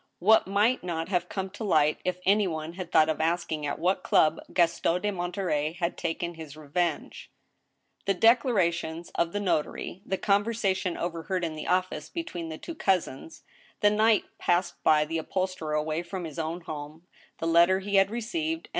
What might not have come to light if any one had thought of asking at what club Gaston de Monterey had taken his revenge ? The declarations of the notary ; the conversation overheard in the office between the two cousins ; the night passed by the uphol sterer away from his own home, the letter he had received, and.